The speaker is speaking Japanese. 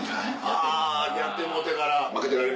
あぁやってもうてから。